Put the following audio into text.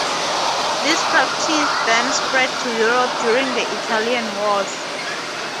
This practice then spread to Europe during the Italian Wars.